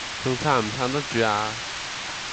仲撐唔撐得住呀